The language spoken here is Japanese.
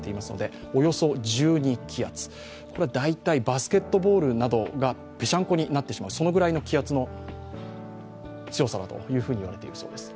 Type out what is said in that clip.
バスケットボールなどがぺしゃんこになってしまう、そのぐらいの気圧の強さだといわれているそうです。